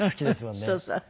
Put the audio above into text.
そうそう。